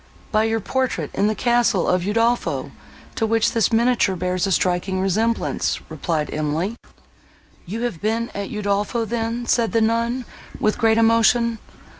"By your portrait in the castle of Udolpho, to which this miniature bears a striking resemblance," replied Emily. "You have been at Udolpho then!" said the nun, with great emotion.